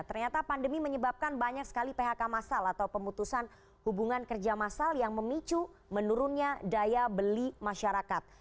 ternyata pandemi menyebabkan banyak sekali phk masal atau pemutusan hubungan kerja masal yang memicu menurunnya daya beli masyarakat